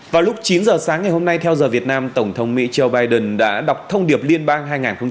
vào lúc chín giờ sáng ngày hôm nay theo giờ việt nam tổng thống mỹ joe biden đã đọc thông điệp liên bang hai nghìn hai mươi ba